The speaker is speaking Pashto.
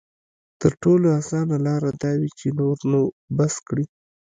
تر ټولو اسانه لاره دا وي چې نور نو بس کړي.